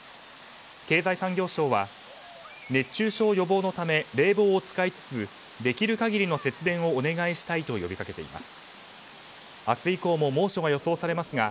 経済産業省は熱中症予防のため冷房を使いつつできる限りの節電をお願いしたいと呼びかけています。